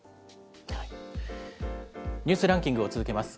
ニュースランキングを続けます。